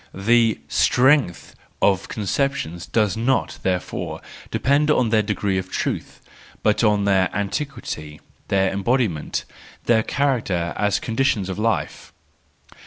The strength of conceptions does not, therefore, depend on their degree of truth, but on their antiquity, their embodiment, their character as conditions of life.